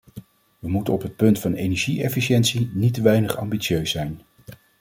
We moeten op het punt van energie-efficiëntie niet te weinig ambitieus zijn.